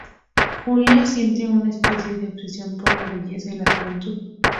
Julia siente una especie de obsesión por la belleza y la juventud.